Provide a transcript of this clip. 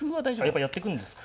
やっぱやってくるんですか。